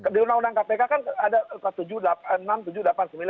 di undang undang kpk kan ada kewenangan